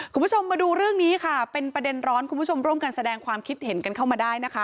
คุณผู้ชมมาดูเรื่องนี้ค่ะเป็นประเด็นร้อนคุณผู้ชมร่วมกันแสดงความคิดเห็นกันเข้ามาได้นะคะ